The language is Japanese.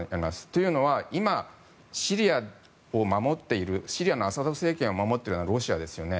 というのは今、シリアを守っているシリアのアサド政権を守っているのはロシアですよね。